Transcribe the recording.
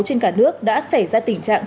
trên cả nước đã xảy ra tình trạng